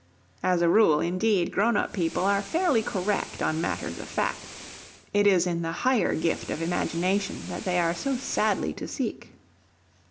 As a rule, indeed, grown up people are fairly correct on matters of fact; it is in the higher gift of imagination that they are so sadly to seek.